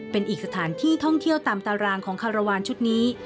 เป็นอีกสถานที่ท่องเที่ยวตามตารางของคารวาลชุดนี้